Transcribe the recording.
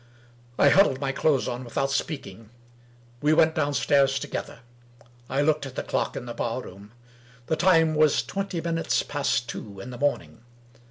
I huddled my clothes on without speaking. We went downstairs together. I looked at the clock in the bar room. The time was twenty min utes past two in the morning.